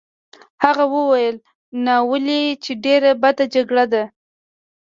هغه وویل: ناولې! چې ډېره بده جګړه ده.